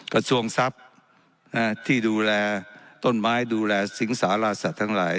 กระทรวงทรัพย์ที่ดูแลต้นไม้ดูแลสิงสาราสัตว์ทั้งหลาย